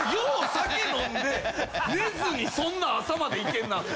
酒飲んで寝ずにそんな朝までいけるなって。